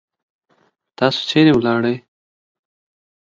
تاسو چیرې ولاړی؟